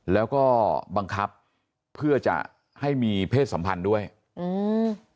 แล้วก็บังคับเพื่อจะให้มีเพศสัมพันธ์ด้วยอืม